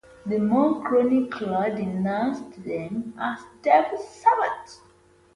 The monk chronicler denounced them as devil servants.